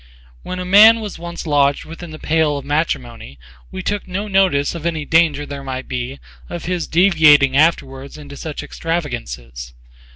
When a man was once lodged within the pale of matrimony, we took no notice of any danger there might be of his deviating afterwards into such extravagances.